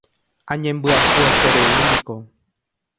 Añembyasyetereíniko.